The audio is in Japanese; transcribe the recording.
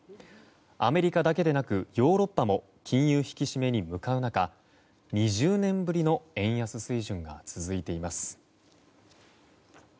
アメリカだけでなくヨーロッパも金融引き締めに向かう中２０年ぶりの円安水準が続いています。